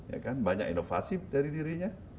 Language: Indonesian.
ya kan banyak inovasi dari dirinya